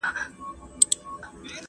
راډیو ته غوږ نیول زما په ګټه دي.